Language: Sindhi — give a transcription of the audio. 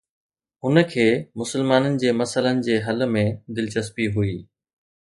هن کي مسلمانن جي مسئلن جي حل ۾ دلچسپي هئي.